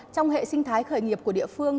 trong hệ sinh thái khởi nghiệp của địa phương